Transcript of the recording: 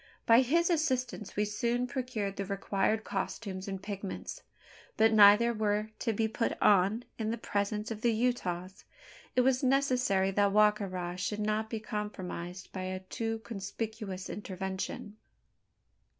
By his assistance we soon procured the required costumes and pigments; but neither were to be "put on" in the presence of the Utahs. It was necessary that Wa ka ra should not be compromised by a too conspicuous "intervention."